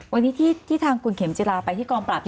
วันนี้ที่ทางคุณเข็มจิลาไปที่กองปราบ